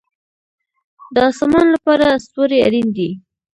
د اسمان لپاره ستوري اړین دي